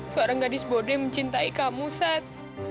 seorang gadis bodoh yang mencintai kamu sat